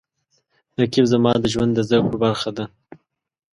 رقیب زما د ژوند د زده کړو برخه ده